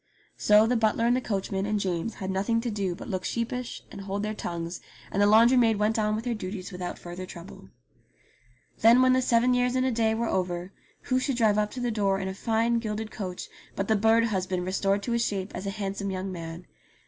So the butler and the coachman and James had nothing to do but look sheepish and hold their tongues, and the laundry maid went on with her duties without further trouble. Then when the seven years and a day were over who should drive up to the door in a fine gilded coach but the bird husband restored to his shape as a handsome young man.